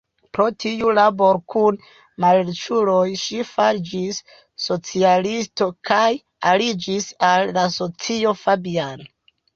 Pro tiu laboro kun malriĉuloj, ŝi fariĝis socialisto kaj aliĝis al la Socio Fabian.